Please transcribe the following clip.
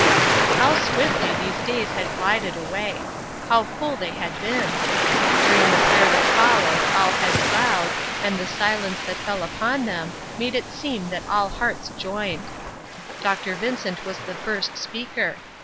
How swiftly these days had glided away. How full they had been! During the prayer that followed, all heads bowed, and the silence that fell upon them made it seem that all hearts joined. Dr. Vincent was the first speaker.